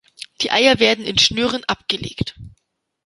Die Eier werden in Schnüren abgelegt.